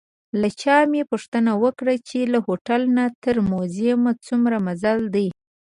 له چا مې پوښتنه وکړه چې له هوټل نه تر موزیم څومره مزل دی.